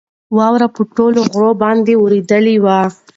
واوره په ټولو غرو باندې ورېدلې وه.